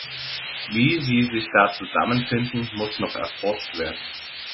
Wie sie sich da zusammenfinden, muss noch erforscht werden.